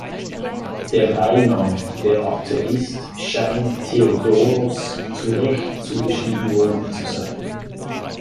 Der Beiname „der Atheist“ scheint Theodoros zu Recht zugeschrieben worden zu sein.